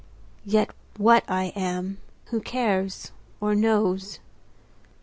yet what I am who cares, or knows?